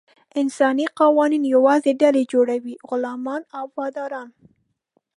انساني قوانین یوازې ډلې جوړوي: غلامان او باداران.